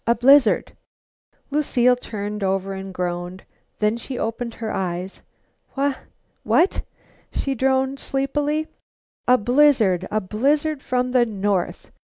A blizzard!" Lucile turned over and groaned. Then she opened her eyes. "Wha wha " she droned sleepily. "A blizzard! A blizzard from the north!"